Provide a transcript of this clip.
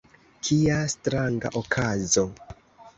kia stranga okazo!